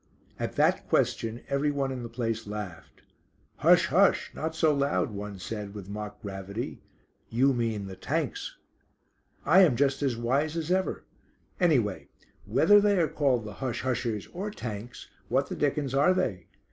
At that question everyone in the place laughed. "Hush! hush! not so loud," one said, with mock gravity. "You mean the Tanks." "I am just as wise as ever. Anyway, whether they are called the 'Hush Hushers' or 'Tanks,' what the dickens are they?